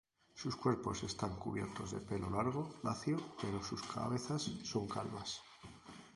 Sus cuerpos están cubiertos de pelo largo, lacio pero sus cabezas son calvas.